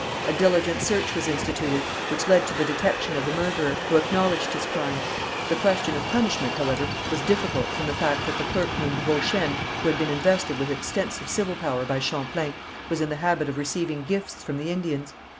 A diligent search was instituted which led to the detection of the murderer, who acknowledged his crime. The question of punishment, however, was difficult from the fact that a clerk named Beauchesne, who had been invested with extensive civil power by Champlain, was in the habit of receiving gifts from the Indians.